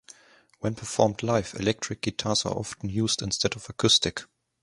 When performed live, electric guitars are often used instead of acoustic.